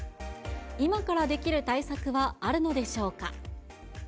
今からできる対策はあるのでしょうか。